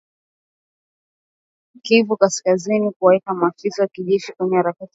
Kivu Kaskazini na Ituri na kuwaweka maafisa wa kijeshi katika harakati za kumaliza ghasia